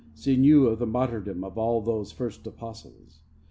She knew of the martyrdom of all those first apostles.